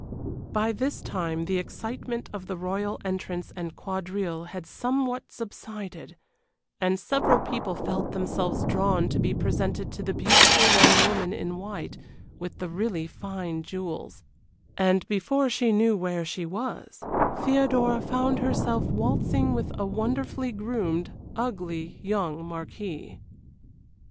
By this time the excitement of the royal entrance and quadrille had somewhat subsided, and several people felt themselves drawn to be presented to the beautiful young woman in white with the really fine jewels, and before she knew where she was, Theodora found herself waltzing with a wonderfully groomed, ugly young marquis.